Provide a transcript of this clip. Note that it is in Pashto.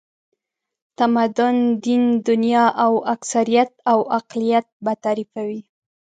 تمدن، دین، دنیا او اکثریت او اقلیت به تعریفوي.